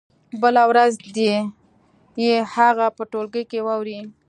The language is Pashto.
بله ورځ دې يې هغه په ټولګي کې واوروي.